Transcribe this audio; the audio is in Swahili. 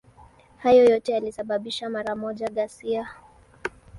Hayo yote yalisababisha mara moja ghasia.